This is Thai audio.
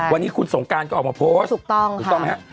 วันนี้คุณสงการก็ออกมาโพสต์สุดต้องค่ะ